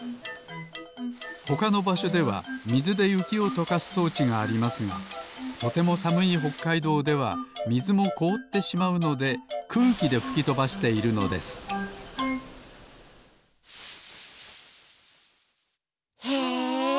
ほかのばしょではみずでゆきをとかすそうちがありますがとてもさむいほっかいどうではみずもこおってしまうのでくうきでふきとばしているのですへえ！